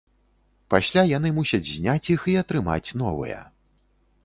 Пасля яны мусяць зняць іх і атрымаць новыя.